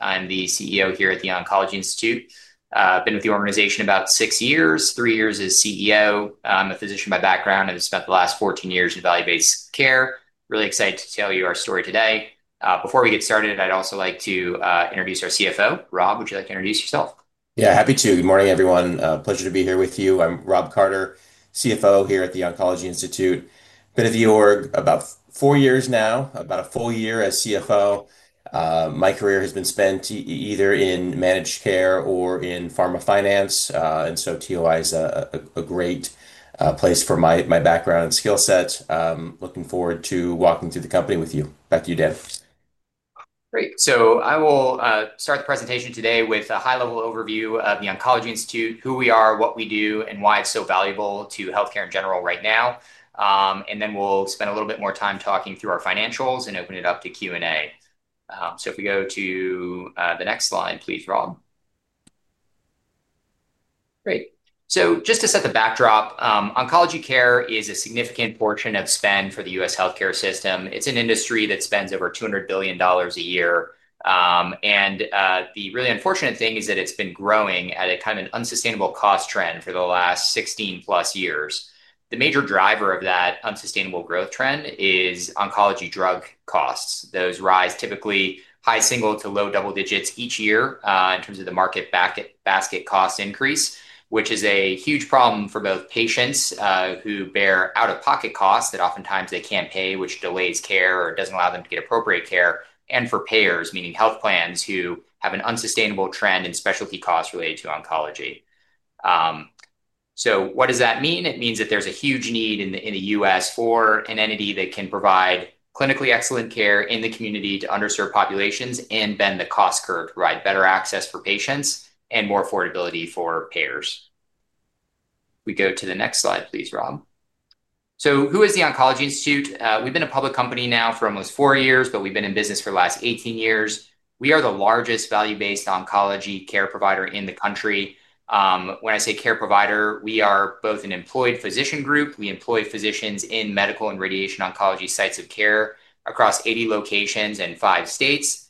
I'm the CEO here at The Oncology Institute. I've been with the organization about six years, three years as CEO. I'm a physician by background. I've spent the last 14 years in value-based care. Really excited to tell you our story today. Before we get started, I'd also like to introduce our CFO, Rob. Would you like to introduce yourself? Yeah, happy to. Good morning, everyone. Pleasure to be here with you. I'm Rob Carter, CFO here at The Oncology Institute. I've been at the org about four years now, about a full year as CFO. My career has been spent either in managed care or in pharma finance. TOI is a great place for my background and skill set. Looking forward to walking through the company with you. Back to you, Dan. Great. I will start the presentation today with a high-level overview of The Oncology Institute, who we are, what we do, and why it's so valuable to healthcare in general right now. We'll spend a little bit more time talking through our financials and open it up to Q&A. If we go to the next slide, please, Rob. Great. Just to set the backdrop, oncology care is a significant portion of spend for the U.S. healthcare system. It's an industry that spends over $200 billion a year. The really unfortunate thing is that it's been growing at a kind of an unsustainable cost trend for the last 16 plus years. The major driver of that unsustainable growth trend is oncology drug costs. Those rise typically high single to low double digits each year in terms of the market basket cost increase, which is a huge problem for both patients who bear out-of-pocket costs that oftentimes they can't pay, which delays care or doesn't allow them to get appropriate care, and for payers, meaning health plans, who have an unsustainable trend in specialty costs related to oncology. What does that mean? It means that there's a huge need in the U.S. for an entity that can provide clinically excellent care in the community to underserved populations and bend the cost curve to provide better access for patients and more affordability for payers. If we go to the next slide, please, Rob. Who is The Oncology Institute? We've been a public company now for almost four years, but we've been in business for the last 18 years. We are the largest value-based oncology care provider in the country. When I say care provider, we are both an employed physician group. We employ physicians in medical and radiation oncology sites of care across 80 locations in five states.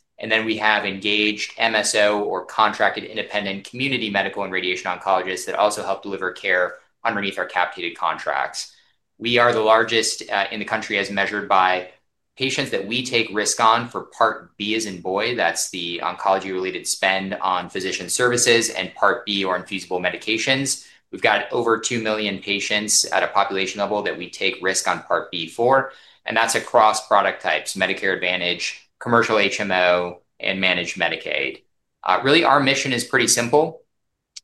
We have engaged MSO or contracted independent community medical and radiation oncologists that also help deliver care underneath our capitated contracts. We are the largest in the country as measured by patients that we take risk on for Part B, as in boy, that's the oncology-related spend on physician services and Part B or infusible medications. We've got over 2 million patients at a population level that we take risk on Part B for. That's across product types: Medicare Advantage, commercial HMO, and managed Medicaid. Really, our mission is pretty simple.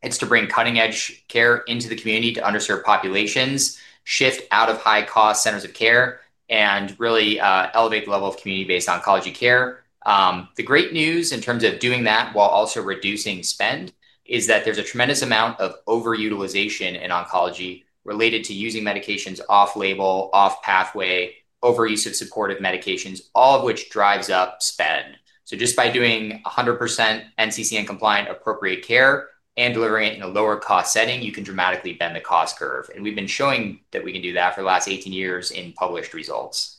It's to bring cutting-edge care into the community to underserved populations, shift out of high-cost centers of care, and really elevate the level of community-based oncology care. The great news in terms of doing that while also reducing spend is that there's a tremendous amount of overutilization in oncology related to using medications off-label, off-pathway, overuse of supportive medications, all of which drives up spend. Just by doing 100% NCCN compliant appropriate care and delivering it in a lower cost setting, you can dramatically bend the cost curve. We've been showing that we can do that for the last 18 years in published results.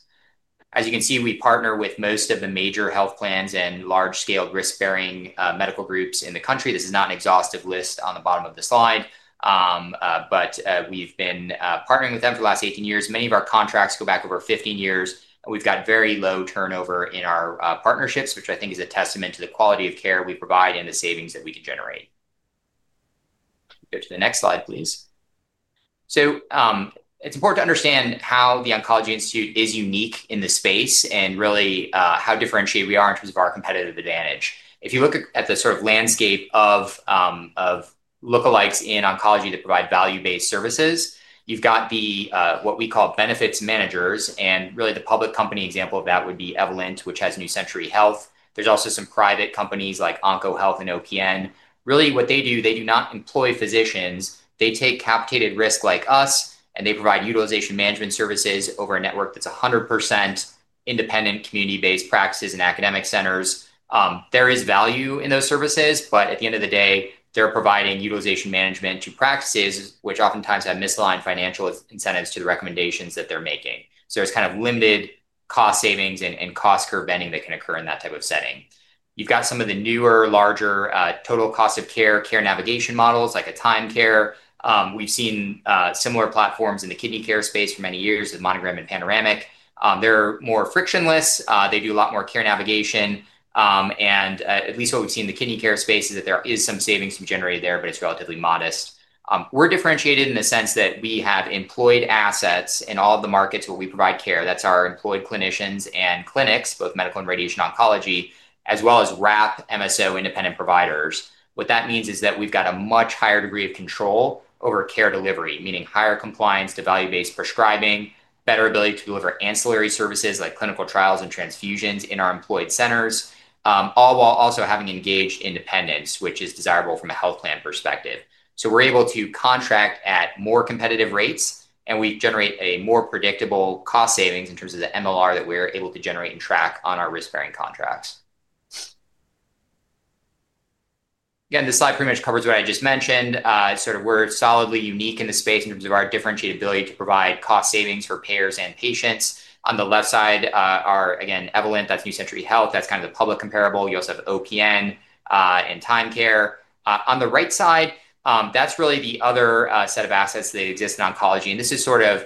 As you can see, we partner with most of the major health plans and large-scale risk-bearing medical groups in the country. This is not an exhaustive list on the bottom of the slide, but we've been partnering with them for the last 18 years. Many of our contracts go back over 15 years, and we've got very low turnover in our partnerships, which I think is a testament to the quality of care we provide and the savings that we can generate. Go to the next slide, please. It's important to understand how The Oncology Institute is unique in this space and really how differentiated we are in terms of our competitive advantage. If you look at the sort of landscape of lookalikes in oncology that provide value-based services, you've got what we call benefits managers. The public company example of that would be Evolent Health, which has New Century Health. There are also some private companies like OncoHealth and OPN. What they do, they do not employ physicians. They take capitated risk like us, and they provide utilization management services over a network that's 100% independent community-based practices and academic centers. There is value in those services, but at the end of the day, they're providing utilization management to practices, which oftentimes have misaligned financial incentives to the recommendations that they're making. There's kind of limited cost savings and cost curve bending that can occur in that type of setting. You've got some of the newer, larger total cost of care care navigation models like a TimeCare. We've seen similar platforms in the kidney care space for many years with Monogram and Panoramic. They're more frictionless. They do a lot more care navigation. At least what we've seen in the kidney care space is that there are some savings generated there, but it's relatively modest. We're differentiated in the sense that we have employed assets in all of the markets where we provide care. That's our employed clinicians and clinics, both medical and radiation oncology, as well as WRAP, MSO, independent providers. What that means is that we've got a much higher degree of control over care delivery, meaning higher compliance to value-based prescribing, better ability to deliver ancillary services like clinical trials and transfusions in our employed centers, all while also having engaged independence, which is desirable from a health plan perspective. We're able to contract at more competitive rates, and we generate a more predictable cost savings in terms of the MLR that we're able to generate and track on our risk-bearing contracts. This slide pretty much covers what I just mentioned. We're solidly unique in this space in terms of our differentiated ability to provide cost savings for payers and patients. On the left side are, again, Evolent, that's New Century Health. That's kind of the public comparable. You also have OPN and TimeCare. On the right side, that's really the other set of assets that exist in oncology. This is sort of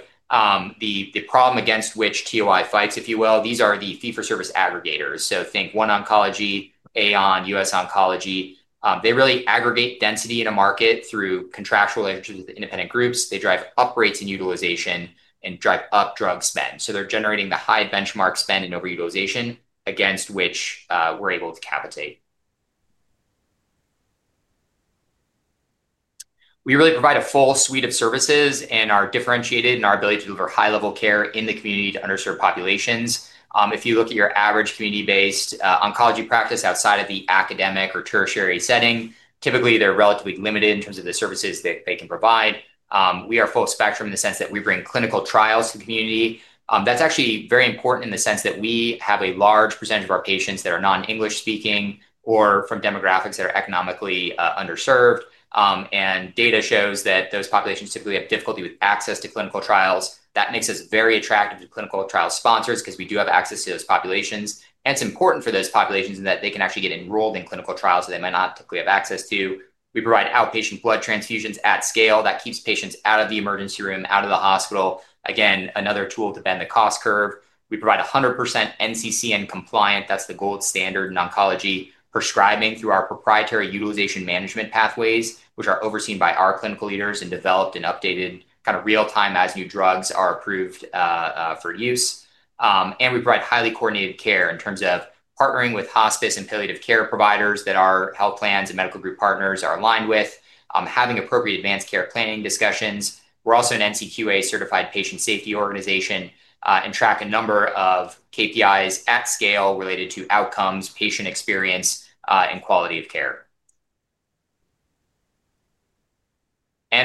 the problem against which TOI fights, if you will. These are the fee-for-service aggregators. Think OneOncology, AON, U.S. Oncology. They really aggregate density in a market through contractual interests with independent groups. They drive up rates in utilization and drive up drug spend. They're generating the high benchmark spend and overutilization against which we're able to cavitate. We really provide a full suite of services and are differentiated in our ability to deliver high-level care in the community to underserved populations. If you look at your average community-based oncology practice outside of the academic or tertiary setting, typically they're relatively limited in terms of the services that they can provide. We are full spectrum in the sense that we bring clinical trials to the community. That's actually very important in the sense that we have a large percentage of our patients that are non-English speaking or from demographics that are economically underserved. Data shows that those populations typically have difficulty with access to clinical trials. That makes us very attractive to clinical trial sponsors because we do have access to those populations. It's important for those populations in that they can actually get enrolled in clinical trials that they might not typically have access to. We provide outpatient blood transfusions at scale. That keeps patients out of the emergency room, out of the hospital. Again, another tool to bend the cost curve. We provide 100% NCCN compliant. That's the gold standard in oncology, prescribing through our proprietary utilization management pathways, which are overseen by our clinical leaders and developed and updated kind of real-time as new drugs are approved for use. We provide highly coordinated care in terms of partnering with hospice and palliative care providers that our health plans and medical group partners are aligned with, having appropriate advanced care planning discussions. We're also an NCQA certified patient safety organization and track a number of KPIs at scale related to outcomes, patient experience, and quality of care.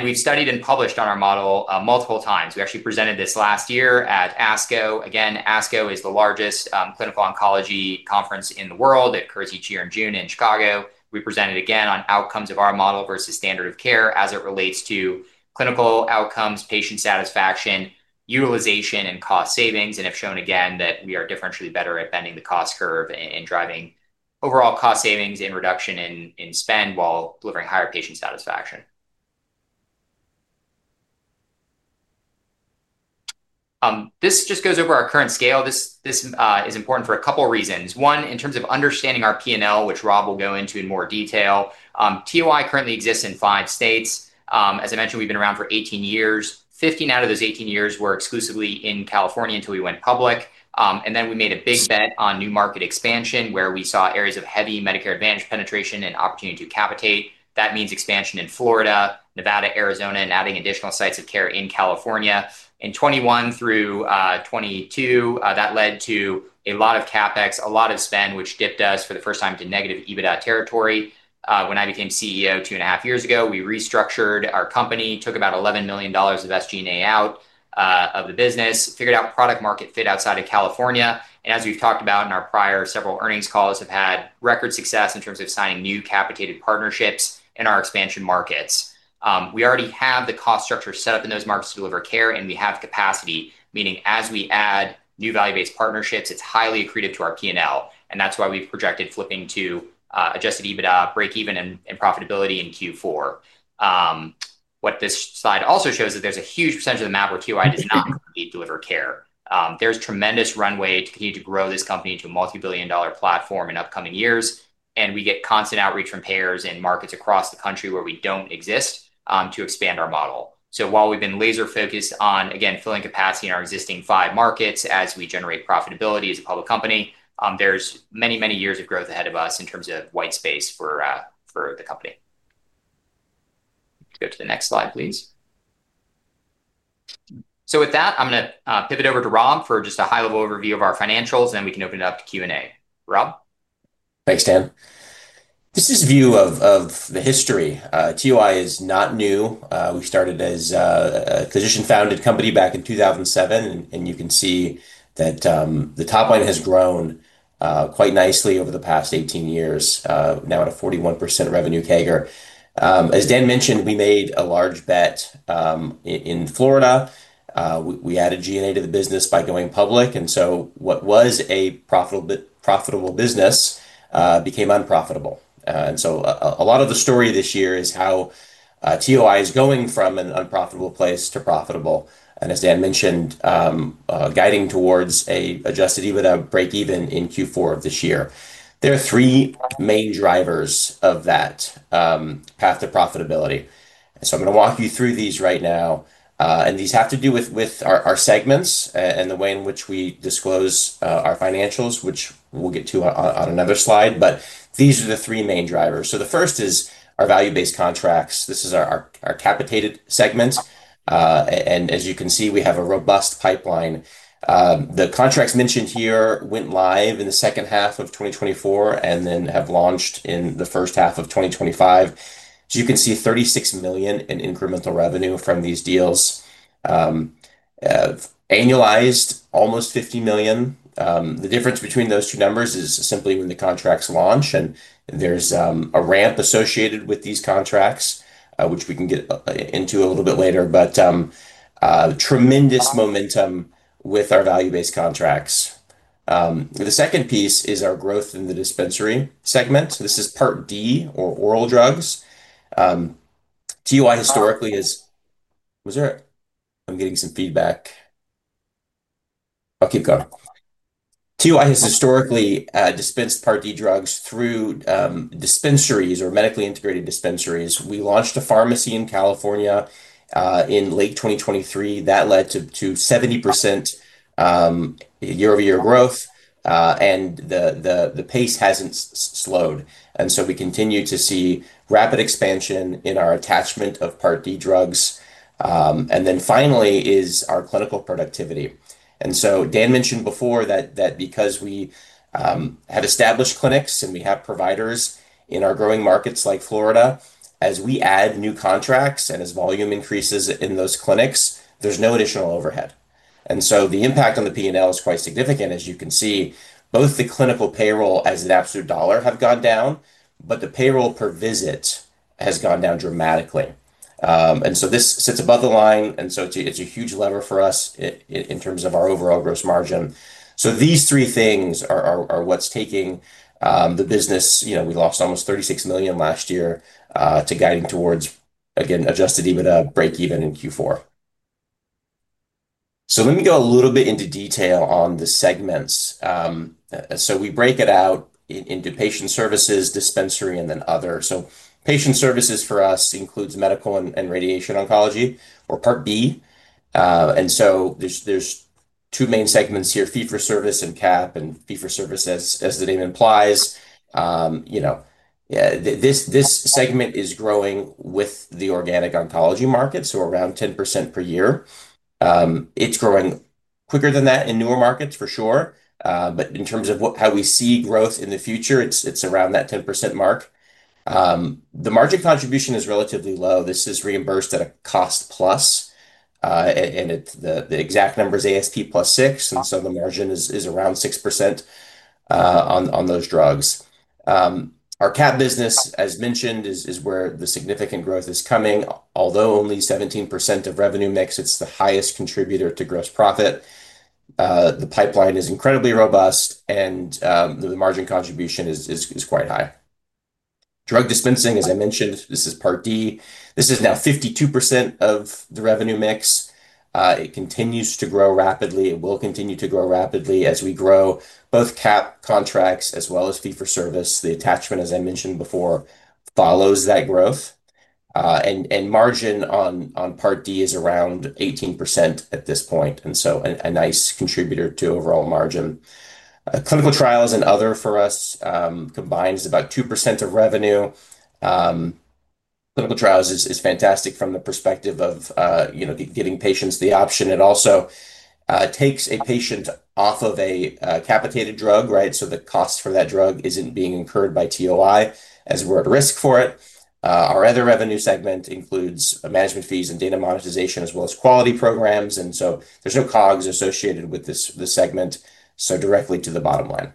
We've studied and published on our model multiple times. We actually presented this last year at ASCO. ASCO is the largest clinical oncology conference in the world. It occurs each year in June in Chicago. We presented again on outcomes of our model versus standard of care as it relates to clinical outcomes, patient satisfaction, utilization, and cost savings. We have shown again that we are differentially better at bending the cost curve and driving overall cost savings and reduction in spend while delivering higher patient satisfaction. This just goes over our current scale. This is important for a couple of reasons. One, in terms of understanding our P&L, which Rob will go into in more detail. TOI currently exists in five states. As I mentioned, we've been around for 18 years. 15 out of those 18 years were exclusively in California until we went public. We made a base bet on new market expansion where we saw areas of heavy Medicare Advantage penetration and opportunity to capitate. That means expansion in Florida, Nevada, Arizona, and adding additional sites of care in California. In 2021 through 2022, that led to a lot of CapEx, a lot of spend, which dipped us for the first time to negative EBITDA territory. When I became CEO two and a half years ago, we restructured our company, took about $11 million of SG&A out of the business, figured out product market fit outside of California. As we've talked about in our prior several earnings calls, we've had record success in terms of signing new capitated partnerships in our expansion markets. We already have the cost structure set up in those markets to deliver care, and we have capacity, meaning as we add new value-based partnerships, it's highly accretive to our P&L. That's why we've projected flipping to adjusted EBITDA, break even, and profitability in Q4. What this slide also shows is there's a huge percentage of the map where TOI does not deliver care. There's tremendous runway to continue to grow this company to a multi-billion dollar platform in upcoming years. We get constant outreach from payers in markets across the country where we don't exist to expand our model. While we've been laser focused on filling capacity in our existing five markets as we generate profitability as a public company, there's many, many years of growth ahead of us in terms of white space for the company. Let's go to the next slide, please. With that, I'm going to pivot over to Rob for just a high-level overview of our financials, and then we can open it up to Q&A. Rob? Thanks, Dan. This is a view of the history. TOI is not new. We started as a physician-founded company back in 2007. You can see that the top line has grown quite nicely over the past 18 years, now at a 41% revenue CAGR. As Dan mentioned, we made a large bet in Florida. We added GNA to the business by going public, and what was a profitable business became unprofitable. A lot of the story this year is how TOI is going from an unprofitable place to profitable, and as Dan mentioned, guiding towards an adjusted EBITDA break even in Q4 of this year. There are three main drivers of that path to profitability. I'm going to walk you through these right now. These have to do with our segments and the way in which we disclose our financials, which we'll get to on another slide. These are the three main drivers. The first is our value-based contracts. This is our capitated segment. As you can see, we have a robust pipeline. The contracts mentioned here went live in the second half of 2024 and then have launched in the first half of 2025. You can see $36 million in incremental revenue from these deals, annualized almost $50 million. The difference between those two numbers is simply when the contracts launch, and there's a ramp associated with these contracts, which we can get into a little bit later. Tremendous momentum with our value-based contracts. The second piece is our growth in the dispensary segment. This is Part D oral drugs. TOI has historically dispensed Part D drugs through dispensaries or medically integrated dispensaries. We launched a pharmacy in California in late 2023. That led to 70% year-over-year growth, and the pace hasn't slowed. We continue to see rapid expansion in our attachment of Part D drugs. Finally is our clinical productivity. Dan mentioned before that because we have established clinics and we have providers in our growing markets like Florida, as we add new contracts and as volume increases in those clinics, there's no additional overhead. The impact on the P&L is quite significant. You can see both the clinical payroll as an absolute dollar has gone down, but the payroll per visit has gone down dramatically. This sits above the line, and it's a huge lever for us in terms of our overall gross margin. These three things are what's taking the business. You know, we lost almost $36 million last year to guiding towards, again, adjusted EBITDA break even in Q4. Let me go a little bit into detail on the segments. We break it out into patient services, dispensary, and then other. Patient services for us include medical and radiation oncology, or Part B. There are two main segments here, fee-for-service and CAP. Fee-for-service, as the name implies, this segment is growing with the organic oncology market, so around 10% per year. It's growing quicker than that in newer markets, for sure. In terms of how we see growth in the future, it's around that 10% mark. The margin contribution is relatively low. This is reimbursed at a cost plus. The exact number is ASP plus six. The margin is around 6% on those drugs. Our CAP business, as mentioned, is where the significant growth is coming. Although only 17% of revenue mix, it's the highest contributor to gross profit. The pipeline is incredibly robust, and the margin contribution is quite high. Drug dispensing, as I mentioned, this is Part D. This is now 52% of the revenue mix. It continues to grow rapidly. It will continue to grow rapidly as we grow both CAP contracts as well as fee-for-service. The attachment, as I mentioned before, follows that growth. Margin on Part D is around 18% at this point, so a nice contributor to overall margin. Clinical trials and other for us combined is about 2% of revenue. Clinical trials is fantastic from the perspective of giving patients the option. It also takes a patient off of a capitated drug, right? The cost for that drug isn't being incurred by TOI as we're at risk for it. Our other revenue segment includes management fees and data monetization, as well as quality programs. There's no COGS associated with this segment, so directly to the bottom line.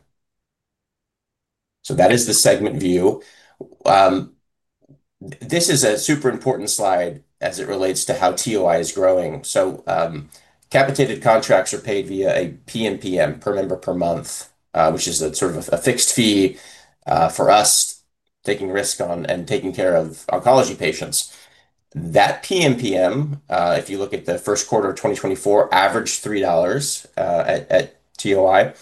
That is the segment view. This is a super important slide as it relates to how TOI is growing. Capitated contracts are paid via a PMPM, per member per month, which is a sort of a fixed fee for us taking risk on and taking care of oncology patients. That PMPM, if you look at the first quarter of 2024, averaged $3 at TOI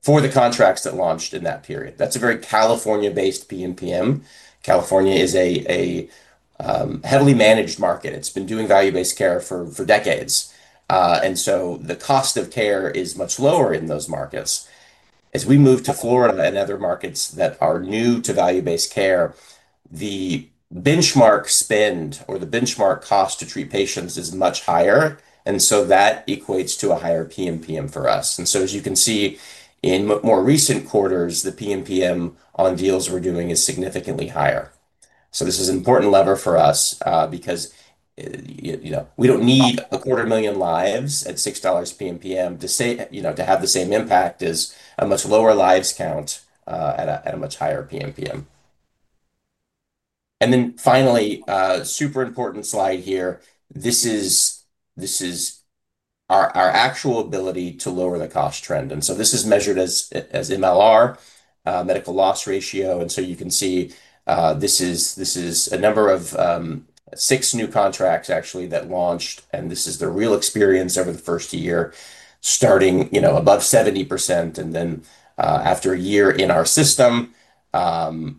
for the contracts that launched in that period. That's a very California-based PMPM. California is a heavily managed market. It's been doing value-based care for decades. The cost of care is much lower in those markets. As we move to Florida and other markets that are new to value-based care, the benchmark spend or the benchmark cost to treat patients is much higher. That equates to a higher PMPM for us. As you can see in more recent quarters, the PMPM on deals we're doing is significantly higher. This is an important lever for us because we don't need a quarter million lives at $6 PMPM to have the same impact as a much lower lives count at a much higher PMPM. Finally, a super important slide here. This is our actual ability to lower the cost trend. This is measured as MLR, medical loss ratio. You can see this is a number of six new contracts actually that launched. This is the real experience over the first year, starting above 70% and then after a year in our system, around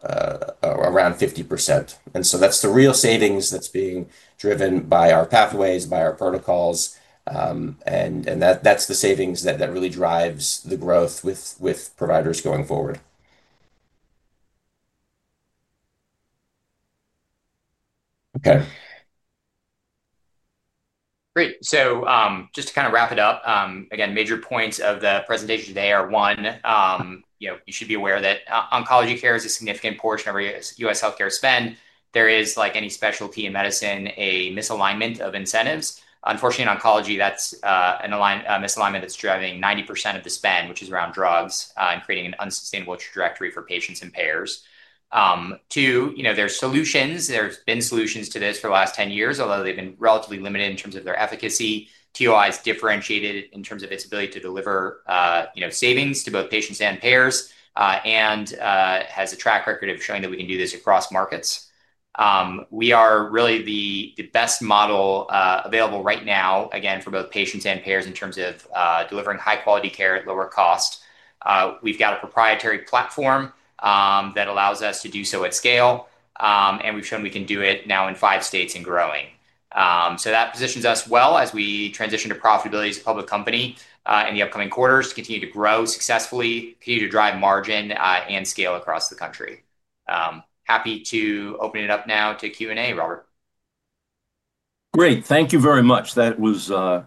50%. That's the real savings that's being driven by our pathways, by our protocols. That's the savings that really drives the growth with providers going forward. Ok. Great. Just to kind of wrap it up, again, major points of the presentation today are, one, you should be aware that oncology care is a significant portion of every U.S. healthcare spend. There is, like any specialty in medicine, a misalignment of incentives. Unfortunately, in oncology, that's a misalignment that's driving 90% of the spend, which is around drugs and creating an unsustainable trajectory for patients and payers. Two, there are solutions. There have been solutions to this for the last 10 years, although they've been relatively limited in terms of their efficacy. TOI is differentiated in terms of its ability to deliver savings to both patients and payers and has a track record of showing that we can do this across markets. We are really the best model available right now, again, for both patients and payers in terms of delivering high-quality care at lower cost. We've got a proprietary platform that allows us to do so at scale, and we've shown we can do it now in five states and growing. That positions us well as we transition to profitability as a public company in the upcoming quarters to continue to grow successfully, continue to drive margin and scale across the country. Happy to open it up now to Q&A, Robert. Great. Thank you very much. That was a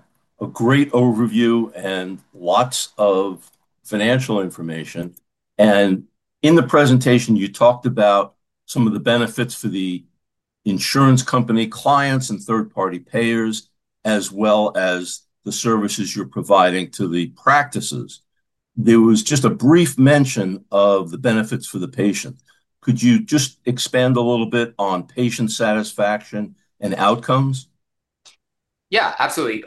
great overview and lots of financial information. In the presentation, you talked about some of the benefits for the insurance company clients and third-party payers, as well as the services you're providing to the practices. There was just a brief mention of the benefits for the patient. Could you just expand a little bit on patient satisfaction and outcomes? Yeah, absolutely.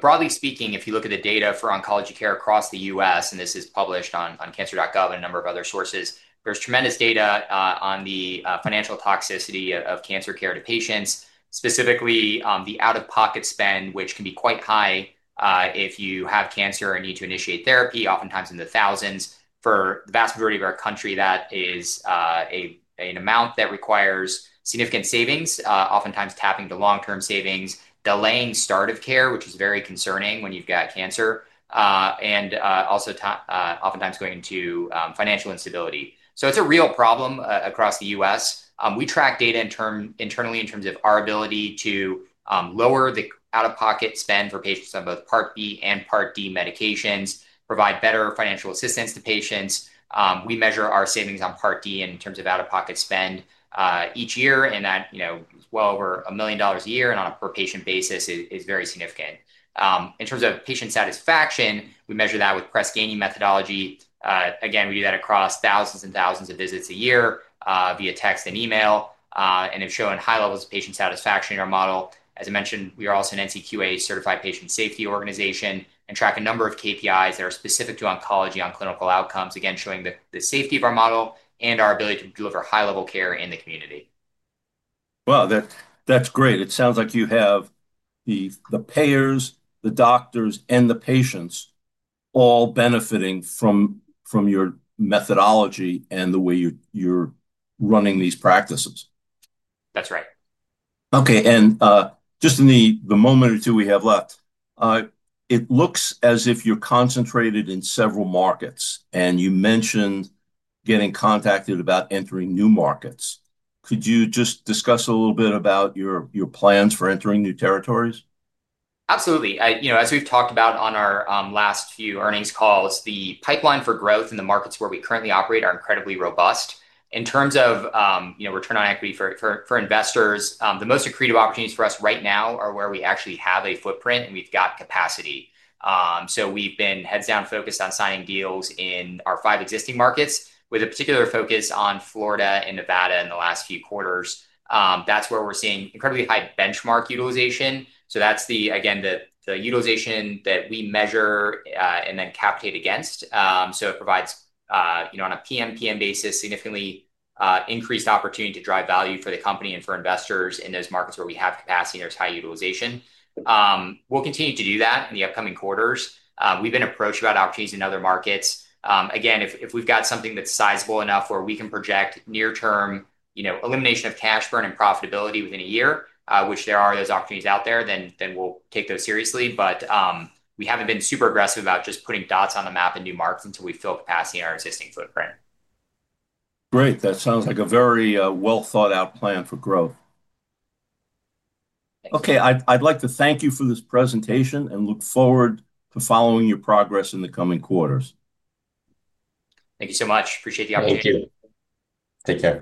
Broadly speaking, if you look at the data for oncology care across the U.S., and this is published on cancer.gov and a number of other sources, there's tremendous data on the financial toxicity of cancer care to patients, specifically the out-of-pocket spend, which can be quite high if you have cancer and need to initiate therapy, oftentimes in the thousands. For the vast majority of our country, that is an amount that requires significant savings, oftentimes tapping into long-term savings, delaying start of care, which is very concerning when you've got cancer, and also oftentimes going into financial instability. It's a real problem across the U.S. We track data internally in terms of our ability to lower the out-of-pocket spend for patients on both Part B and Part D medications, provide better financial assistance to patients. We measure our savings on Part D in terms of out-of-pocket spend each year. That's well over $1 million a year, and on a per-patient basis, it is very significant. In terms of patient satisfaction, we measure that with Press Ganey methodology. We do that across thousands and thousands of visits a year via text and email and have shown high levels of patient satisfaction in our model. As I mentioned, we are also an NCQA certified patient safety organization and track a number of KPIs that are specific to oncology on clinical outcomes, showing the safety of our model and our ability to deliver high-level care in the community. It sounds like you have the payers, the doctors, and the patients all benefiting from your methodology and the way you're running these practices. That's right. OK. In the moment or two we have left, it looks as if you're concentrated in several markets. You mentioned getting contacted about entering new markets. Could you just discuss a little bit about your plans for entering new territories? Absolutely. As we've talked about on our last few earnings calls, the pipeline for growth in the markets where we currently operate is incredibly robust. In terms of return on equity for investors, the most accretive opportunities for us right now are where we actually have a footprint and we've got capacity. We've been heads down focused on signing deals in our five existing markets with a particular focus on Florida and Nevada in the last few quarters. That's where we're seeing incredibly high benchmark utilization. That's the utilization that we measure and then capitate against. It provides, on a PMPM basis, significantly increased opportunity to drive value for the company and for investors in those markets where we have capacity and there's high utilization. We'll continue to do that in the upcoming quarters. We've been approached about opportunities in other markets. If we've got something that's sizable enough where we can project near-term elimination of cash burn and profitability within a year, which there are those opportunities out there, then we'll take those seriously. We haven't been super aggressive about just putting dots on the map in new markets until we fill capacity in our existing footprint. Great. That sounds like a very well-thought-out plan for growth. OK. I'd like to thank you for this presentation and look forward to following your progress in the coming quarters. Thank you so much. Appreciate the opportunity. Thank you. Take care.